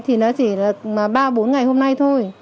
thì nó chỉ là ba bốn ngày hôm nay thôi